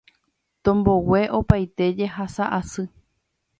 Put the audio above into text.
Tombogue opaite jehasa asy